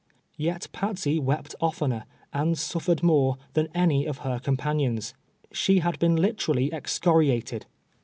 Yet Patsey wept oftener, and sutitered more, than any of her companions. She had been literally excoriated.